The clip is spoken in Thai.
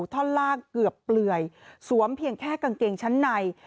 ท่อนล่างเกือบเปลื่อยสวมเพียงแค่กางเกงชั้นใน